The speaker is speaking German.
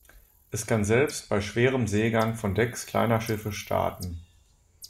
Es kann selbst bei schwerem Seegang von Decks kleiner Schiffe starten.